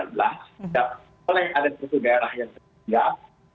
tidak boleh ada satu daerah yang tertinggal